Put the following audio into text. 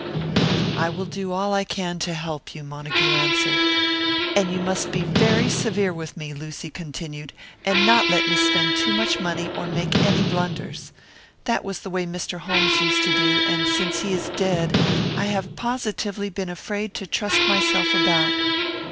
"I will do all I can to help you," Montague answered. "And you must be very severe with me," Lucy continued, "and not let me spend too much money, or make any blunders. That was the way Mr. Holmes used to do, and since he is dead, I have positively been afraid to trust myself about."